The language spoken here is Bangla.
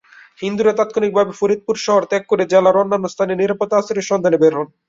হিন্দুরা তাৎক্ষণিকভাবে ফরিদপুর শহর ত্যাগ করে জেলার অন্যান্য স্থানে নিরাপদ আশ্রয়ের সন্ধানে বের হন।